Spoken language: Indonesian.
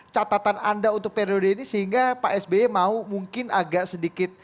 catatan anda untuk periode ini sehingga pak sby mau mungkin agak sedikit